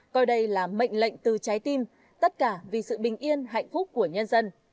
coi đây là mệnh lệnh từ trái tim tất cả vì sự bình yên hạnh phúc của nhân dân